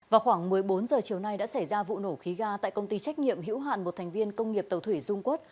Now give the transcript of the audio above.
vào khoảng một mươi bốn h chiều nay đã xảy ra vụ nổ khí ga tại công ty trách nhiệm hữu hạn một thành viên công nghiệp tàu thủy dung quốc